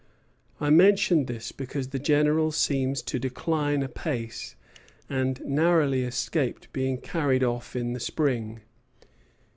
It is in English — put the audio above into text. I mention this because the General seems to decline apace, and narrowly escaped being carried off in the spring.